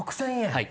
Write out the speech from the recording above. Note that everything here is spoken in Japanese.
はい。